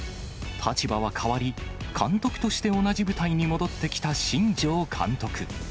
立場は変わり、監督として同じ舞台に戻ってきた新庄監督。